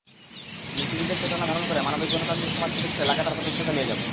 মুক্তিযুদ্ধের চেতনা ধারণ করে মানবিক গণতান্ত্রিক সমাজ প্রতিষ্ঠায় লাগাতার প্রচেষ্টা চালিয়ে যাব।